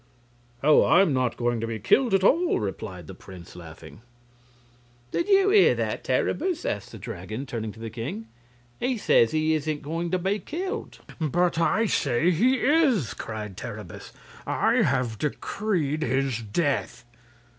"Oh, I'm not going to be killed at all," replied the prince, laughing. "Do you hear that, Terribus?" asked the Dragon, turning to the king; "he says he isn't going to be killed." "But I say he is!" cried Terribus. "I have decreed his death."